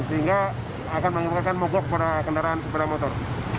sehingga akan menyebabkan mogok pada kendaraan sepeda motor